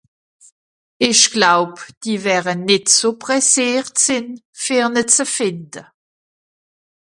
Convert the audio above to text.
Ìch gläub, die wäre nìtt so presseert sìn, fer ne ze fìnde.